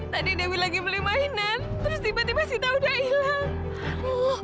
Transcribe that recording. tadi dewi lagi beli mainan terus tiba tiba si tau udah hilang